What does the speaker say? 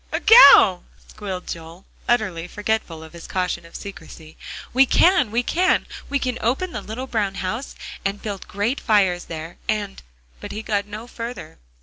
"Ugh ow!" squealed Joel, utterly forgetful of his caution of secrecy, "we can, we can; we can open the little brown house, and build great fires there, and" But he got no further.